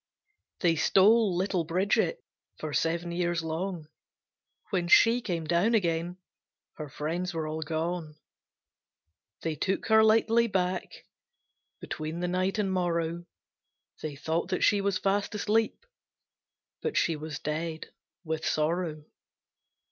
They stole little Bridget For seven years long; When she came down again Her friends were all gone. They took her lightly back, Between the night and morrow, They thought that she was fast asleep, But she was dead with sorrow.